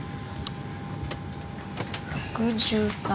６３。